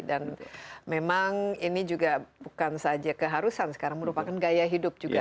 dan memang ini juga bukan saja keharusan sekarang merupakan gaya hidup juga